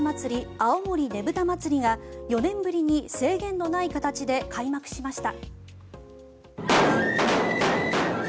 青森ねぶた祭が４年ぶりに制限のない形で開幕しました。